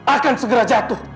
akan segera jatuh